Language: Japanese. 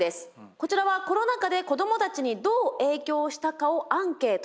こちらはコロナ禍で子どもたちにどう影響をしたかをアンケートしたものです。